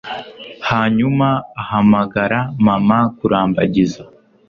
hanyuma ahamagara mama kurambagiza